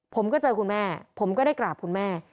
ผมก็เจอคุณแม่ผมก็ได้กราบคุณแม่